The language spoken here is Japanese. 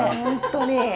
本当に。